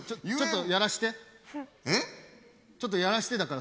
ちょっとやらしてだから。